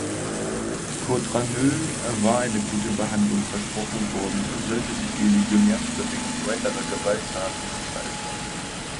Codreanu war eine gute Behandlung versprochen worden, sollte sich die Legionärsbewegung weiterer Gewalttaten enthalten.